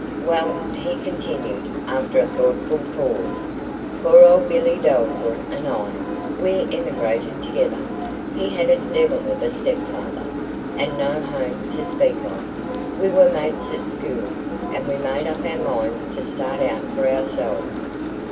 "Well," he continued, after a thoughtful pause, "poor old Billy Dalzell and I, we emigrated together. He had a devil of a stepfather, and no home to speak of. We were mates at school, and we made up our minds to start out for ourselves.